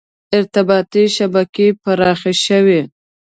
• ارتباطي شبکې پراخې شوې.